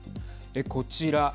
こちら。